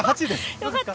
よかった！